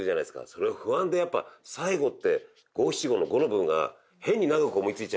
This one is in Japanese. それを不安でやっぱ最後って五七五の五の部分が変に長く思いついちゃいますね。